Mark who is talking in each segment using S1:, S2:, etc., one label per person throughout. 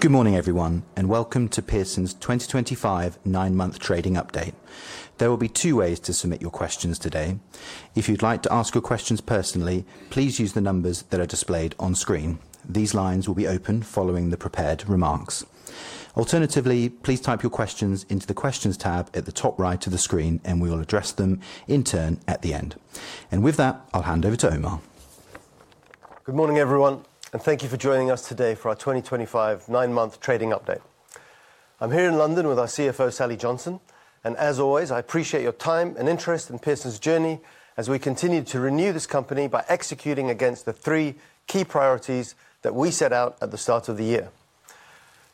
S1: Good morning, everyone, and welcome to Pearson's 2025 nine-month trading update. There will be two ways to submit your questions today. If you'd like to ask your questions personally, please use the numbers that are displayed on screen. These lines will be open following the prepared remarks. Alternatively, please type your questions into the questions tab at the top right of the screen, and we will address them in turn at the end. With that, I'll hand over to Omar.
S2: Good morning, everyone, and thank you for joining us today for our 2025 nine-month trading update. I'm here in London with our CFO, Sally Johnson, and as always, I appreciate your time and interest in Pearson's journey as we continue to renew this company by executing against the three key priorities that we set out at the start of the year.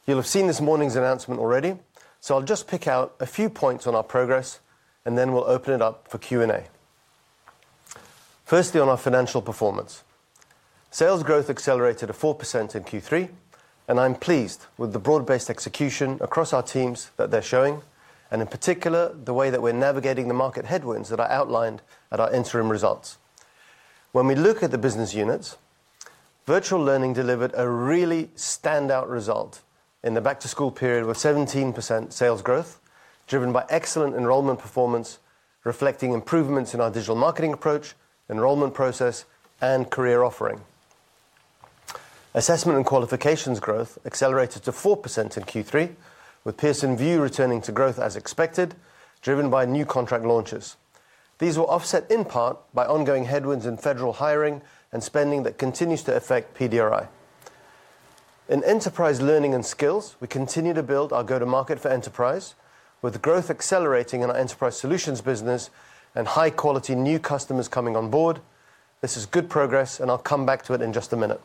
S2: You'll have seen this morning's announcement already, so I'll just pick out a few points on our progress, and then we'll open it up for Q&A. Firstly, on our financial performance, sales growth accelerated at 4% in Q3, and I'm pleased with the broad-based execution across our teams that they're showing, in particular, the way that we're navigating the market headwinds that are outlined at our interim results. When we look at the business units, virtual learning delivered a really standout result in the back-to-school period with 17% sales growth, driven by excellent enrollment performance, reflecting improvements in our digital marketing approach, enrollment process, and career offering. Assessment and qualifications growth accelerated to 4% in Q3, with Pearson VUE returning to growth as expected, driven by new contract launches. These were offset in part by ongoing headwinds in federal hiring and spending that continue to affect PDRI. In enterprise learning and skills, we continue to build our go-to-market for enterprise, with growth accelerating in our enterprise solutions business and high-quality new customers coming on board. This is good progress, and I'll come back to it in just a minute.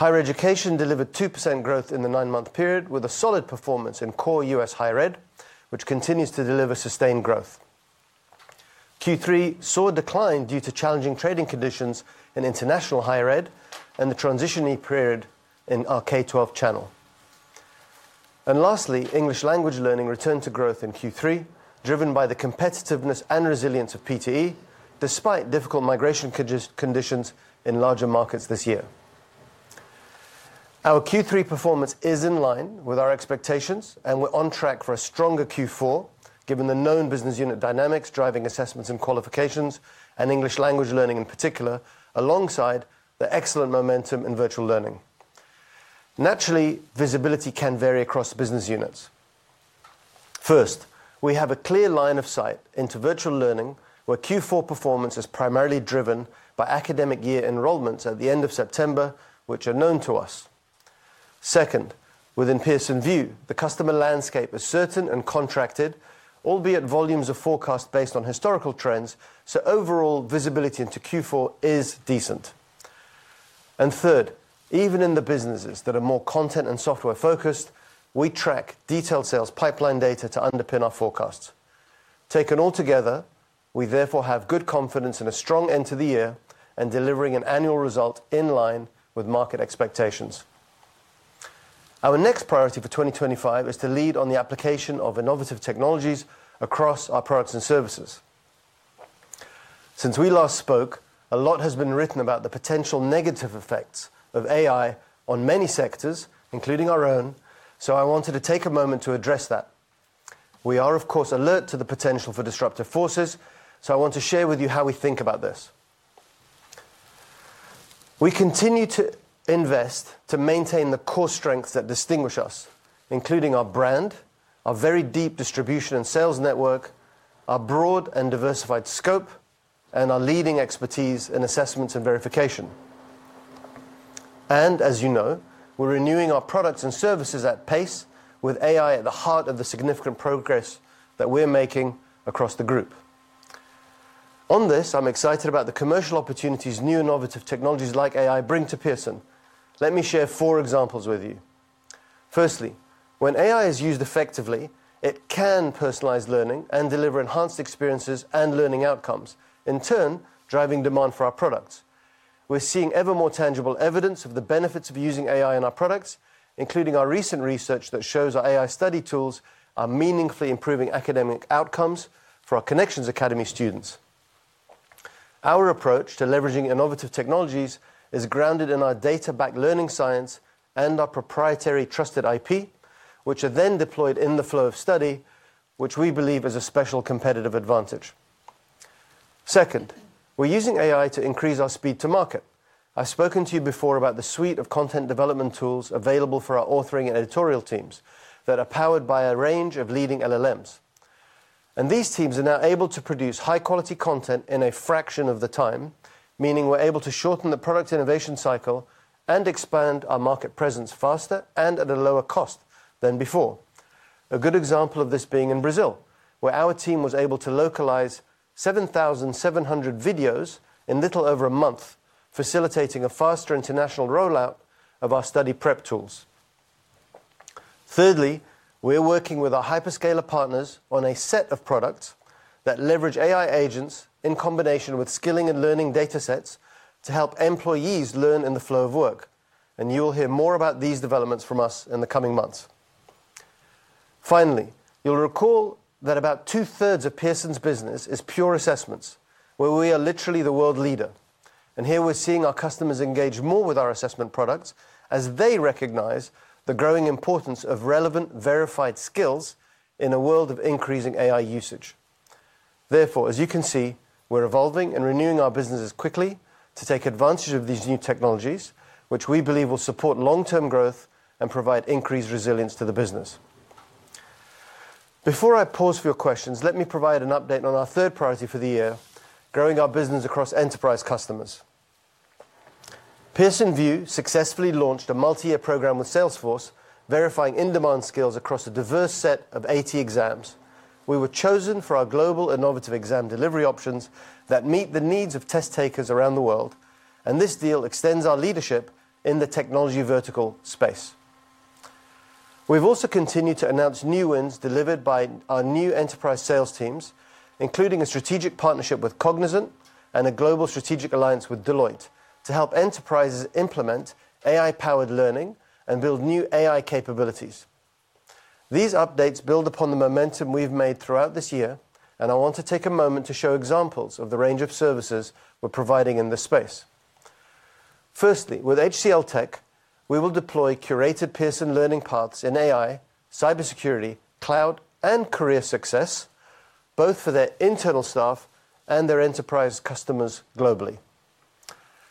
S2: Higher education delivered 2% growth in the nine-month period, with a solid performance in core U.S. higher ed, which continues to deliver sustained growth. Q3 saw a decline due to challenging trading conditions in international higher ed and the transition period in our K-12 channel. Lastly, English language learning returned to growth in Q3, driven by the competitiveness and resilience of PTE, despite difficult migration conditions in larger markets this year. Our Q3 performance is in line with our expectations, and we're on track for a stronger Q4, given the known business unit dynamics driving assessments and qualifications, and English language learning in particular, alongside the excellent momentum in virtual learning. Naturally, visibility can vary across business units. First, we have a clear line of sight into virtual learning, where Q4 performance is primarily driven by academic year enrollments at the end of September, which are known to us. Second, within Pearson VUE, the customer landscape is certain and contracted, albeit volumes are forecast based on historical trends, so overall visibility into Q4 is decent. Third, even in the businesses that are more content and software focused, we track detailed sales pipeline data to underpin our forecasts. Taken all together, we therefore have good confidence in a strong end to the year and delivering an annual result in line with market expectations. Our next priority for 2025 is to lead on the application of innovative technologies across our products and services. Since we last spoke, a lot has been written about the potential negative effects of AI on many sectors, including our own, so I wanted to take a moment to address that. We are, of course, alert to the potential for disruptive forces, so I want to share with you how we think about this. We continue to invest to maintain the core strengths that distinguish us, including our brand, our very deep distribution and sales network, our broad and diversified scope, and our leading expertise in assessments and verification. As you know, we're renewing our products and services at pace, with AI at the heart of the significant progress that we're making across the group. On this, I'm excited about the commercial opportunities new innovative technologies like AI bring to Pearson. Let me share four examples with you. Firstly, when AI is used effectively, it can personalize learning and deliver enhanced experiences and learning outcomes, in turn driving demand for our products. We're seeing ever more tangible evidence of the benefits of using AI in our products, including our recent research that shows our AI study tools are meaningfully improving academic outcomes for our Connections Academy students. Our approach to leveraging innovative technologies is grounded in our data-backed learning science and our proprietary trusted IP, which are then deployed in the flow of study, which we believe is a special competitive advantage. Second, we're using AI to increase our speed to market. I've spoken to you before about the suite of content development tools available for our authoring and editorial teams that are powered by a range of leading LLMs. These teams are now able to produce high-quality content in a fraction of the time, meaning we're able to shorten the product innovation cycle and expand our market presence faster and at a lower cost than before. A good example of this is in Brazil, where our team was able to localize 7,700 videos in a little over a month, facilitating a faster international rollout of our study prep tools. Thirdly, we're working with our hyperscaler partners on a set of products that leverage AI agents in combination with skilling and learning datasets to help employees learn in the flow of work. You'll hear more about these developments from us in the coming months. Finally, you'll recall that about two-thirds of Pearson's business is pure assessments, where we are literally the world leader. Here we're seeing our customers engage more with our assessment products as they recognize the growing importance of relevant verified skills in a world of increasing AI usage. Therefore, as you can see, we're evolving and renewing our businesses quickly to take advantage of these new technologies, which we believe will support long-term growth and provide increased resilience to the business. Before I pause for your questions, let me provide an update on our third priority for the year, growing our business across enterprise customers. Pearson VUE successfully launched a multi-year program with Salesforce, verifying in-demand skills across a diverse set of 80 exams. We were chosen for our global innovative exam delivery options that meet the needs of test takers around the world, and this deal extends our leadership in the technology vertical space. We've also continued to announce new wins delivered by our new enterprise sales teams, including a strategic partnership with Cognizant and a global strategic alliance with Deloitte to help enterprises implement AI-powered learning and build new AI capabilities. These updates build upon the momentum we've made throughout this year, and I want to take a moment to show examples of the range of services we're providing in this space. Firstly, with HCL Tech, we will deploy curated Pearson learning paths in AI, cybersecurity, cloud, and career success, both for their internal staff and their enterprise customers globally.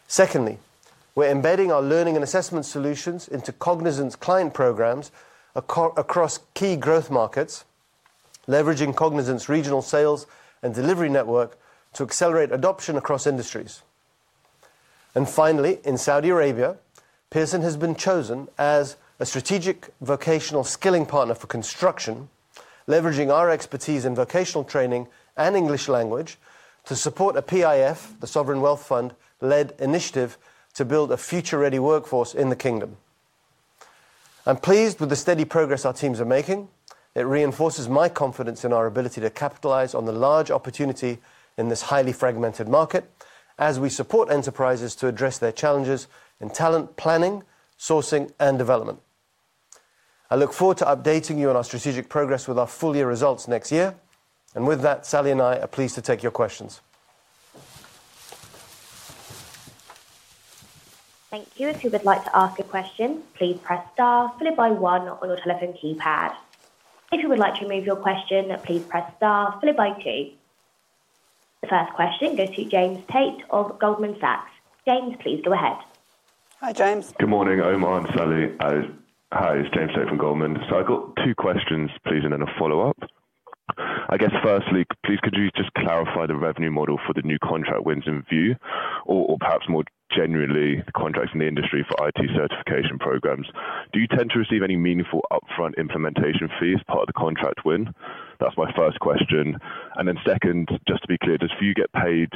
S2: Secondly, we're embedding our learning and assessment solutions into Cognizant's client programs across key growth markets, leveraging Cognizant's regional sales and delivery network to accelerate adoption across industries. Finally, in Saudi Arabia, Pearson has been chosen as a strategic vocational skilling partner for construction, leveraging our expertise in vocational training and English language to support a Public Investment Fund, the Sovereign Wealth Fund-led initiative to build a future-ready workforce in the kingdom. I'm pleased with the steady progress our teams are making. It reinforces my confidence in our ability to capitalize on the large opportunity in this highly fragmented market as we support enterprises to address their challenges in talent planning, sourcing, and development. I look forward to updating you on our strategic progress with our full-year results next year. Sally and I are pleased to take your questions.
S3: Thank you. If you would like to ask a question, please press star followed by one on your telephone keypad. If you would like to remove your question, please press star followed by two. The first question goes to James Tate of Goldman Sachs. James, please go ahead.
S4: Hi, James.
S5: Good morning, Omar and Sally. Hi, it's James Tate from Goldman. I've got two questions, please, and then a follow-up. Firstly, could you just clarify the revenue model for the new contract wins in Pearson VUE or perhaps more generally the contracts in the industry for IT certification programs? Do you tend to receive any meaningful upfront implementation fees as part of the contract win? That's my first question. Second, just to be clear, does Pearson VUE get paid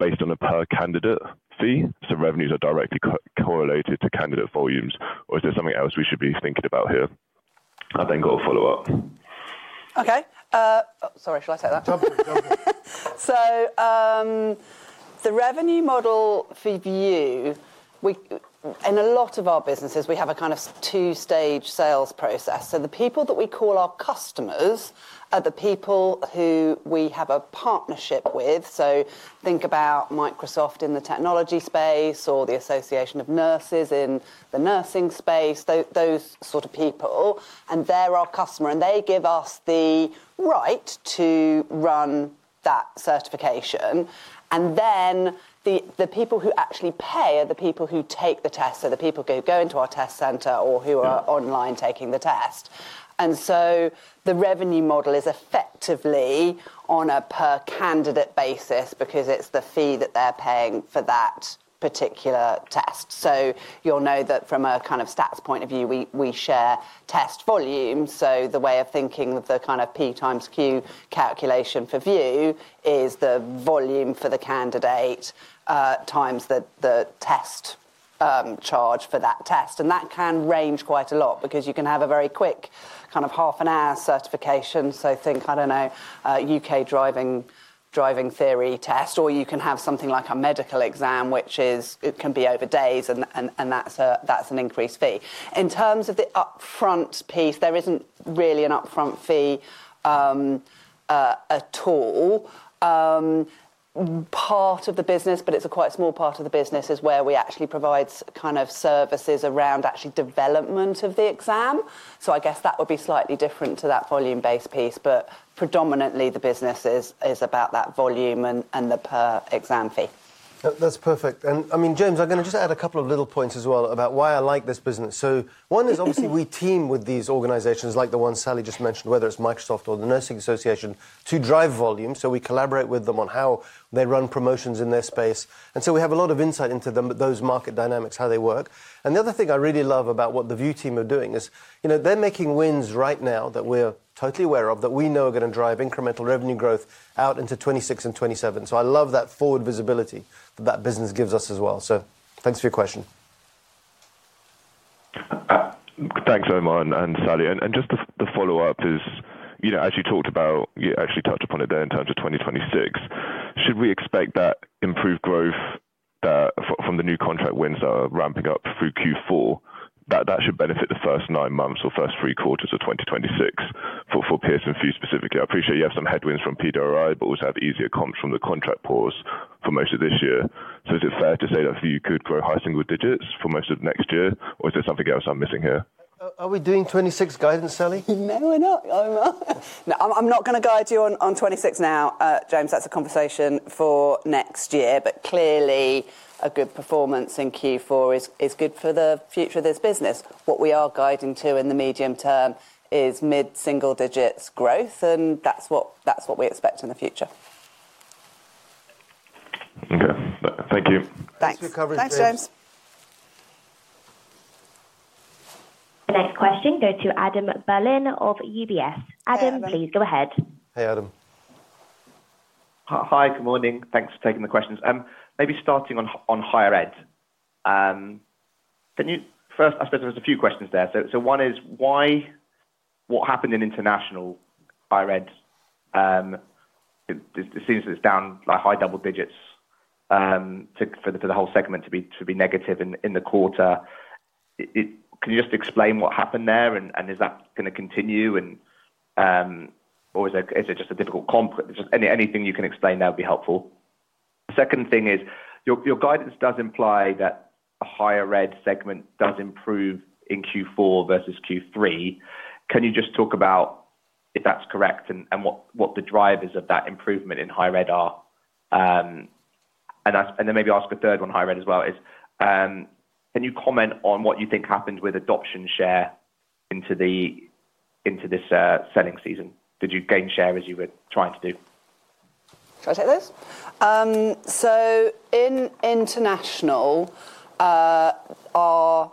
S5: based on a per-candidate fee? So revenues are directly correlated to candidate volumes, or is there something else we should be thinking about here? I've then got a follow-up.
S4: Okay. Sorry, shall I take that?
S2: Jump in.
S4: The revenue model for Pearson VUE, in a lot of our businesses, is a kind of two-stage sales process. The people that we call our customers are the people who we have a partnership with. Think about Microsoft in the technology space or the Association of Nurses in the nursing space, those sort of people. They're our customer, and they give us the right to run that certification. The people who actually pay are the people who take the tests, the people who go into our test center or who are online taking the test. The revenue model is effectively on a per-candidate basis because it's the fee that they're paying for that particular test. You'll know that from a stats point of view, we share test volume. The way of thinking of the P x Q calculation for Pearson VUE is the volume for the candidate times the test charge for that test. That can range quite a lot because you can have a very quick kind of half an hour certification, like the U.K. driving theory test, or you can have something like a medical exam, which can be over days, and that's an increased fee. In terms of the upfront piece, there isn't really an upfront fee at all. Part of the business, but it's a quite small part of the business, is where we actually provide services around development of the exam. That would be slightly different to that volume-based piece, but predominantly the business is about that volume and the per exam fee.
S2: That's perfect. I mean, James, I'm going to just add a couple of little points as well about why I like this business. One is obviously we team with these organizations like the ones Sally just mentioned, whether it's Microsoft or the Nursing Association, to drive volume. We collaborate with them on how they run promotions in their space, and we have a lot of insight into those market dynamics, how they work. The other thing I really love about what the Pearson VUE team are doing is they're making wins right now that we're totally aware of, that we know are going to drive incremental revenue growth out into 2026 and 2027. I love that forward visibility that that business gives us as well. Thanks for your question.
S5: Thanks, Omar and Sally. Just the follow-up is, as you talked about, you actually touched upon it there in terms of 2026. Should we expect that improved growth from the new contract wins that are ramping up through Q4? That should benefit the first nine months or first three quarters of 2026 for Pearson VUE specifically. I appreciate you have some headwinds from PDRI, but also have easier comps from the contract pause for most of this year. Is it fair to say that VUE could grow high single digits for most of next year, or is there something else I'm missing here?
S2: Are we doing 2026 guidance, Sally?
S4: No, we're not. I'm not going to guide you on 2026 now, James. That's a conversation for next year. Clearly, a good performance in Q4 is good for the future of this business. What we are guiding to in the medium term is mid-single digits growth, and that's what we expect in the future.
S5: Okay, thank you.
S4: Thanks.
S2: Thanks for your coverage, James.
S3: Next question, go to Adam Berlin of UBS. Adam, please go ahead.
S2: Hey, Adam.
S6: Hi, good morning. Thanks for taking the questions. Maybe starting on higher ed. First, I suppose there's a few questions there. One is what happened in international higher ed? It seems that it's down like high double digits for the whole segment to be negative in the quarter. Can you just explain what happened there and is that going to continue? Is it just a difficult comp? Anything you can explain there would be helpful. The second thing is your guidance does imply that the higher ed segment does improve in Q4 versus Q3. Can you just talk about if that's correct and what the drivers of that improvement in higher ed are? Maybe ask a third one, higher ed as well, can you comment on what you think happened with adoption share into this selling season? Did you gain share as you were trying to do?
S4: Should I take this? In International, our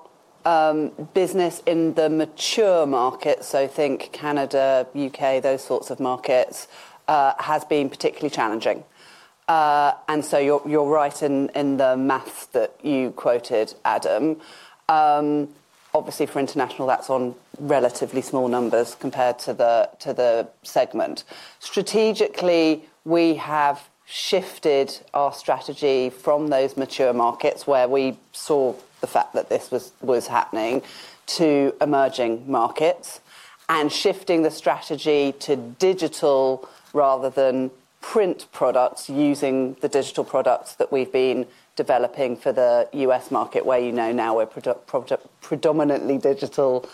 S4: business in the mature markets, so I think Canada, U.K., those sorts of markets, has been particularly challenging. You're right in the math that you quoted, Adam. Obviously, for International, that's on relatively small numbers compared to the segment. Strategically, we have shifted our strategy from those mature markets where we saw the fact that this was happening to emerging markets and shifting the strategy to digital rather than print products using the digital products that we've been developing for the U.S. market, where you know now we're predominantly digital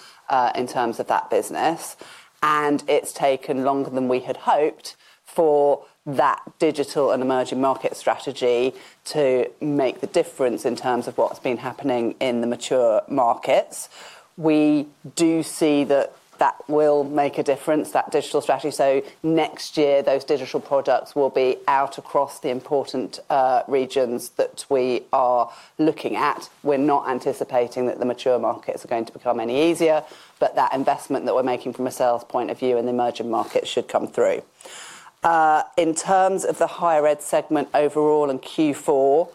S4: in terms of that business. It's taken longer than we had hoped for that digital and emerging market strategy to make the difference in terms of what's been happening in the mature markets. We do see that that will make a difference, that digital strategy. Next year, those digital products will be out across the important regions that we are looking at. We're not anticipating that the mature markets are going to become any easier, but that investment that we're making from a sales point of view in the emerging markets should come through. In terms of the Higher Education segment overall in Q4,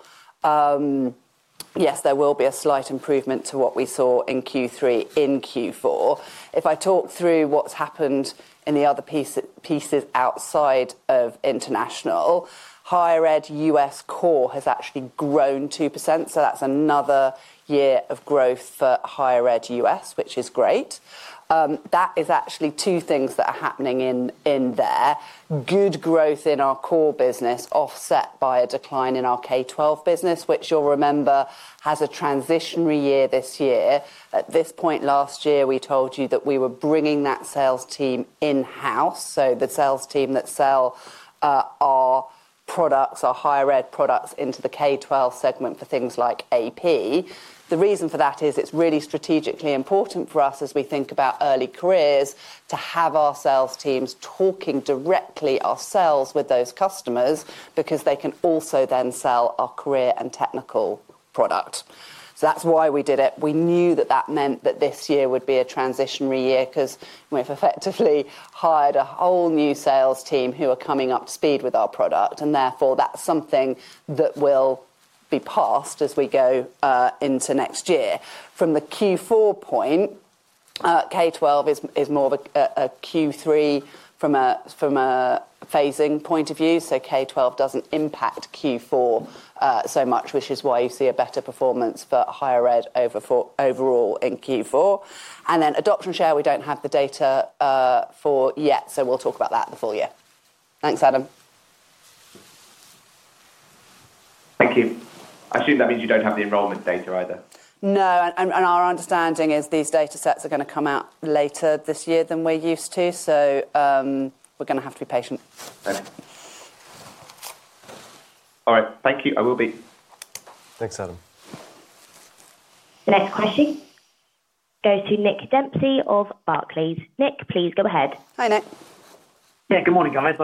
S4: yes, there will be a slight improvement to what we saw in Q3 in Q4. If I talk through what's happened in the other pieces outside of International, Higher Education U.S. core has actually grown 2%. That's another year of growth for Higher Education U.S., which is great. That is actually two things that are happening in there: good growth in our core business offset by a decline in our K-12 business, which you'll remember has a transitionary year this year. At this point last year, we told you that we were bringing that sales team in-house. The sales team that sell our products, our Higher Education products into the K-12 segment for things like AP. The reason for that is it's really strategically important for us as we think about early careers to have our sales teams talking directly ourselves with those customers because they can also then sell our career and technical product. That's why we did it. We knew that that meant that this year would be a transitionary year because we've effectively hired a whole new sales team who are coming up to speed with our product. Therefore, that's something that will be passed as we go into next year. From the Q4 point, K-12 is more of a Q3 from a phasing point of view. K-12 doesn't impact Q4 so much, which is why you see a better performance for Higher Education overall in Q4. Adoption share, we don't have the data for yet. We'll talk about that in the full year. Thanks, Adam.
S6: Thank you. I assume that means you don't have the enrollment data either.
S4: No, and our understanding is these data sets are going to come out later this year than we're used to. We are going to have to be patient.
S6: Thanks. All right, thank you. I will be.
S2: Thanks, Adam.
S3: Next question. Go to Nick Dempsey of Barclays. Nick, please go ahead.
S4: Hi, Nick.
S7: Good morning, guys.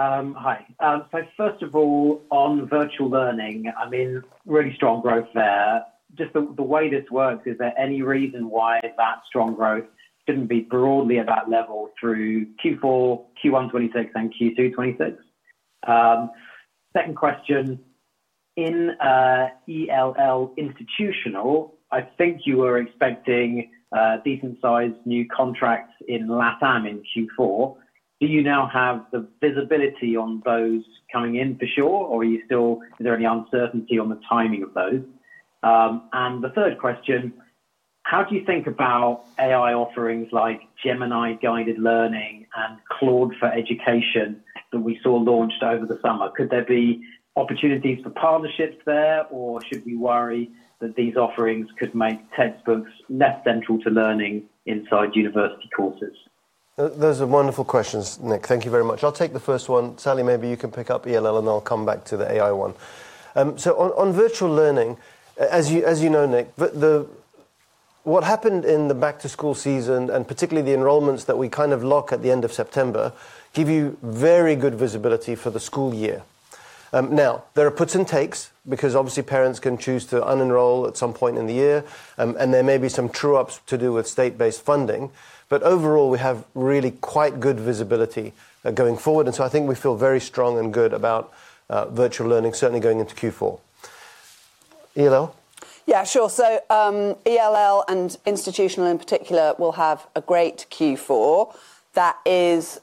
S7: Hi. First of all, on virtual learning, really strong growth there. Just the way this works, is there any reason why that strong growth shouldn't be broadly at that level through Q4, Q1 2026, and Q2 2026? Second question, in English Language Learning Institutional, I think you were expecting decent-sized new contracts in LatAm in Q4. Do you now have the visibility on those coming in for sure, or is there any uncertainty on the timing of those? The third question, how do you think about AI offerings like Gemini-guided learning and Claude for Education that we saw launched over the summer? Could there be opportunities for partnerships there, or should we worry that these offerings could make TED spokes less central to learning inside university courses?
S2: Those are wonderful questions, Nick. Thank you very much. I'll take the first one. Sally, maybe you can pick up ELL, and I'll come back to the AI one. On virtual learning, as you know, Nick, what happened in the back-to-school season and particularly the enrollments that we kind of lock at the end of September give you very good visibility for the school year. There are puts and takes because obviously parents can choose to unenroll at some point in the year, and there may be some true-ups to do with state-based funding. Overall, we have really quite good visibility going forward. I think we feel very strong and good about virtual learning, certainly going into Q4. ELL?
S4: Yeah, sure. ELL and Institutional, in particular, will have a great Q4. That is,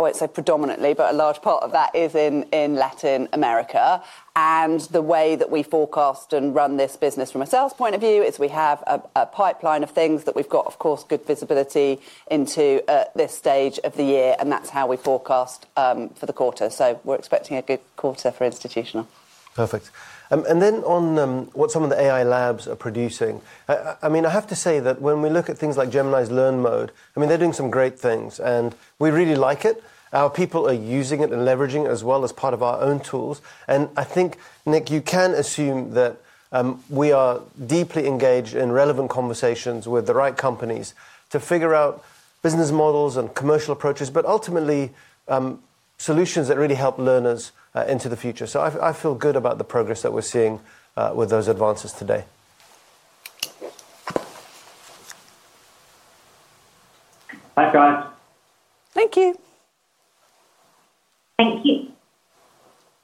S4: I won't say predominantly, but a large part of that is in Latin America. The way that we forecast and run this business from a sales point of view is we have a pipeline of things that we've got, of course, good visibility into at this stage of the year. That's how we forecast for the quarter. We're expecting a good quarter for Institutional.
S2: Perfect. On what some of the AI labs are producing, I have to say that when we look at things like Gemini's learn mode, they're doing some great things, and we really like it. Our people are using it and leveraging it as well as part of our own tools. I think, Nick, you can assume that we are deeply engaged in relevant conversations with the right companies to figure out business models and commercial approaches, ultimately solutions that really help learners into the future. I feel good about the progress that we're seeing with those advances today.
S7: Thanks, guys.
S4: Thank you.
S3: Thank you.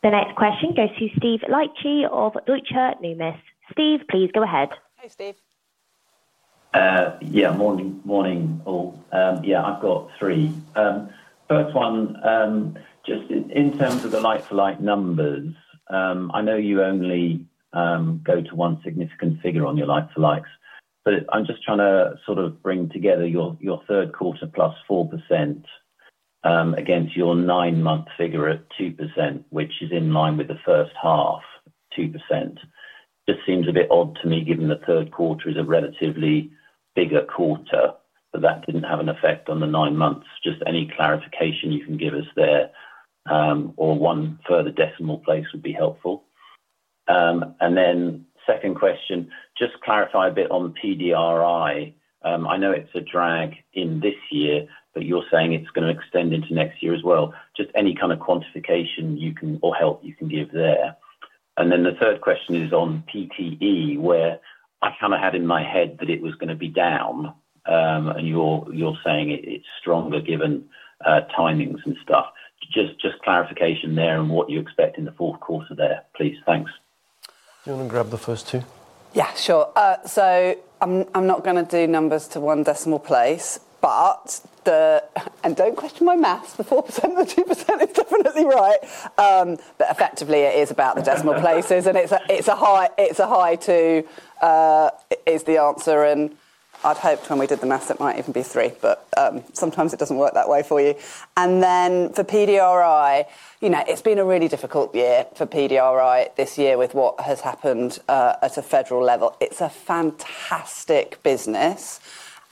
S3: The next question goes to Steve Liechti of Deutsche Numis. Steve, please go ahead.
S8: Hey, Steve. Yeah, morning, all. Yeah, I've got three. First one, just in terms of the like-for-like numbers, I know you only go to one significant figure on your like-for-likes, but I'm just trying to sort of bring together your third quarter +4% against your nine-month figure at 2%, which is in line with the first half, 2%. It just seems a bit odd to me given the third quarter is a relatively bigger quarter, but that didn't have an effect on the nine months. Just any clarification you can give us there, or one further decimal place would be helpful. The second question, just clarify a bit on PDRI. I know it's a drag in this year, but you're saying it's going to extend into next year as well. Just any kind of quantification you can or help you can give there. The third question is on PTE, where I kind of had in my head that it was going to be down, and you're saying it's stronger given timings and stuff. Just clarification there and what you expect in the fourth quarter there, please. Thanks.
S2: You want to grab the first two?
S4: Yeah, sure. I'm not going to do numbers to one decimal place, but don't question my maths. The 4% and the 2% is definitely right. Effectively, it is about the decimal places, and it's a high two is the answer. I'd hoped when we did the maths, it might even be three, but sometimes it doesn't work that way for you. For PDRI, you know it's been a really difficult year for PDRI this year with what has happened at a federal level. It's a fantastic business.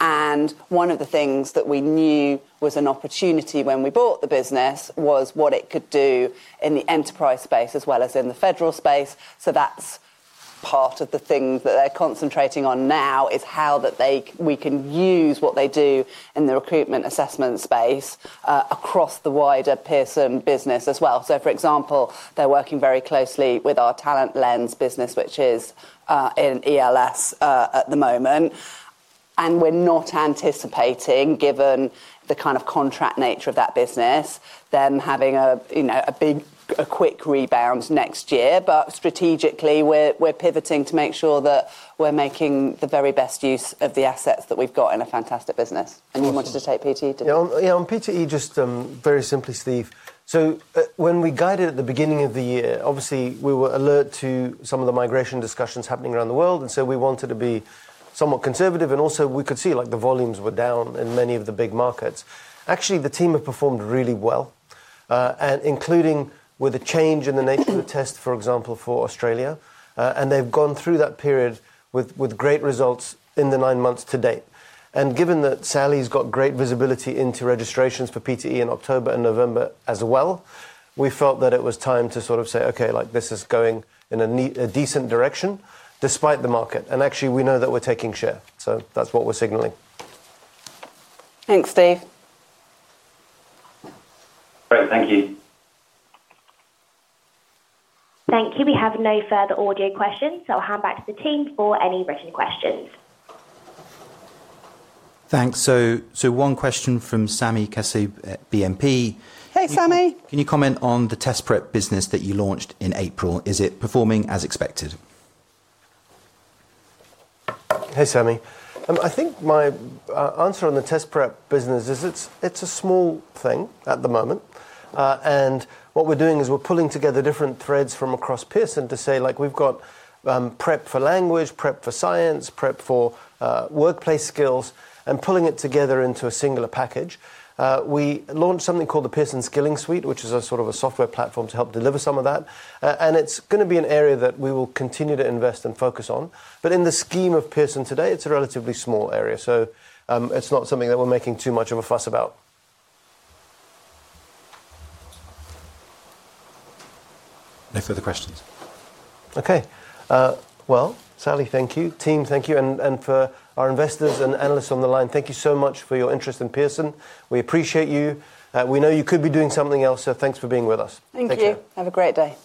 S4: One of the things that we knew was an opportunity when we bought the business was what it could do in the enterprise space as well as in the federal space. That's part of the thing that they're concentrating on now, how we can use what they do in the recruitment assessment space across the wider Pearson business as well. For example, they're working very closely with our Talent Lens business, which is in ELS at the moment. We're not anticipating, given the kind of contract nature of that business, them having a quick rebound next year. Strategically, we're pivoting to make sure that we're making the very best use of the assets that we've got in a fantastic business. You wanted to take PTE?
S2: Yeah, on PTE, just very simply, Steve. When we guided at the beginning of the year, obviously we were alert to some of the migration discussions happening around the world. We wanted to be somewhat conservative. We could see the volumes were down in many of the big markets. Actually, the team have performed really well, including with a change in the nature of the test, for example, for Australia. They've gone through that period with great results in the nine months to date. Given that Sally's got great visibility into registrations for PTE in October and November as well, we felt that it was time to sort of say, okay, this is going in a decent direction despite the market. Actually, we know that we're taking share. That's what we're signaling.
S4: Thanks, Steve.
S8: Great, thank you.
S3: Thank you. We have no further audio questions, so I'll hand back to the team for any written questions.
S1: Thanks. One question from Sami Kassab at BNP.
S4: Hey, Sami.
S1: Can you comment on the test prep business that you launched in April? Is it performing as expected?
S2: Hey, Sami. I think my answer on the test prep business is it's a small thing at the moment. What we're doing is we're pulling together different threads from across Pearson to say like we've got prep for language, prep for science, prep for workplace skills, and pulling it together into a singular package. We launched something called the Pearson Skilling Suite, which is a sort of a software platform to help deliver some of that. It's going to be an area that we will continue to invest and focus on. In the scheme of Pearson today, it's a relatively small area. It's not something that we're making too much of a fuss about.
S1: No further questions.
S2: Okay. Sally, thank you. Team, thank you. For our investors and analysts on the line, thank you so much for your interest in Pearson. We appreciate you. We know you could be doing something else, so thanks for being with us.
S4: Thank you. Have a great day.